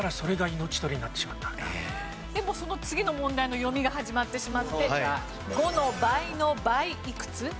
でもその次の問題の読みが始まってしまって「５の倍の倍いくつ？」。